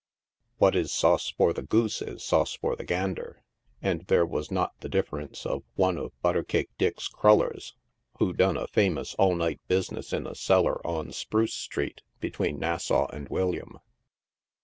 What is sauce for the goose is sauce for the gander, and there was not the difference of one of Butter Cake Dick's crullers, who done a famous all night business in a cellar on Spruce street, between Nassau and William.